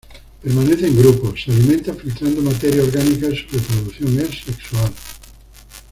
Permanece en grupos, se alimenta filtrando materia orgánica y su reproducción es sexual.